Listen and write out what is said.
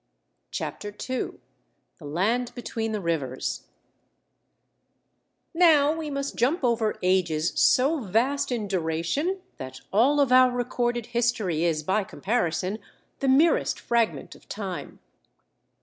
CHAPTER TWO The Land Between the Rivers Now we must jump over ages so vast in duration that all of our recorded history is by comparison, the merest fragment of time.